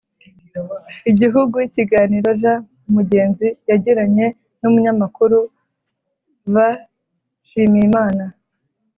Igihugu ikiganiro j mugenzi yagiranye n umunyamakuru v nshimiyimana